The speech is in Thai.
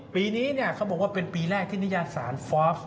ปีนี้เขาบอกว่าเป็นปีแรกที่นิตยสารฟอล์ฟ